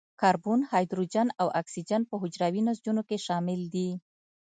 کاربن، هایدروجن او اکسیجن په حجروي نسجونو کې شامل دي.